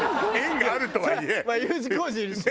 まあＵ字工事いるしね。